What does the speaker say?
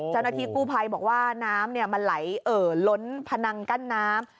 เจ้าหน้าที่กู้ภัยบอกว่าน้ำมันไหลเอ่อล้นพนังกั้นน้ำ